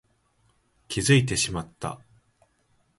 気づいてしまった